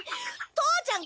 父ちゃん！